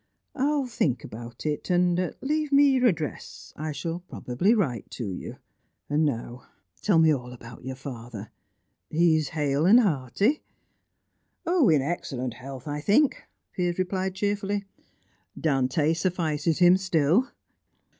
I'll think about it, and leave me your address I shall probably write to you. And now tell me all about your father. He is hale and hearty?" "In excellent health, I think," Piers replied cheerfully. "Dante suffices him still."